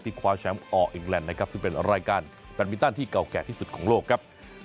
คว้าแชมป์ออร์อิงแลนด์นะครับซึ่งเป็นรายการแบตมินตันที่เก่าแก่ที่สุดของโลกครับ